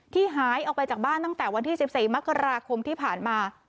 หายออกไปจากบ้านตั้งแต่วันที่๑๔มกราคมที่ผ่านมา